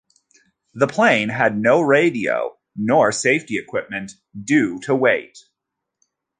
The plane had no radio nor safety equipment, due to weight.